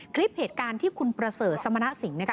คลิปเหตุการณ์ที่คุณประเสริฐสมณสิงห์นะคะ